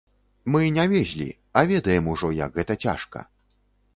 Мы не везлі, а ведаем ужо, як гэта цяжка.